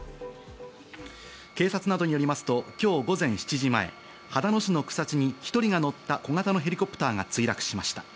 警察などによりますと今日午前７時前、秦野市の草地に１人が乗った小型のヘリコプターが墜落しました。